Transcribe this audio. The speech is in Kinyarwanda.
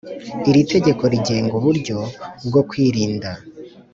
Iri tegeko rigenga uburyo bwo kwirinda